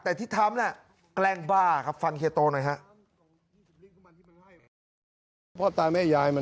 แต่ที่ทำแกล้งบ้าครับฟังเฮียโตหน่อยฮะ